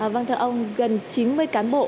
vâng thưa ông gần chín mươi cán bộ